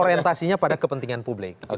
orientasinya pada kepentingan publik